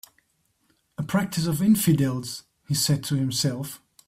"A practice of infidels," he said to himself.